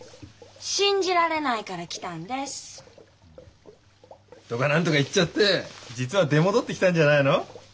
信じられないから来たんです。とか何とか言っちゃって実は出戻ってきたんじゃないの？